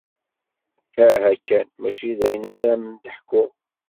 Aha kan! Mačči d ayen ara am-d-ḥkuɣ.